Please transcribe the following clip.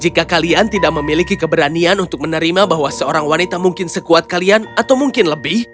jika kalian tidak memiliki keberanian untuk menerima bahwa seorang wanita mungkin sekuat kalian atau mungkin lebih